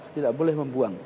tidak boleh membuang